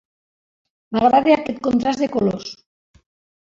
M'agrada aquest contrast de colors.